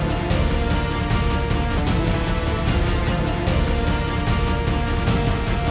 โรสาววิ้สาวสาว